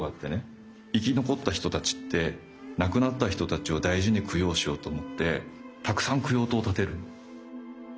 生き残った人たちって亡くなった人たちを大事に供養しようと思ってたくさん供養塔を建てるの。